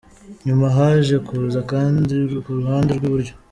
Nyuma, haje kuza akandi ku ruhande rw’iburyo.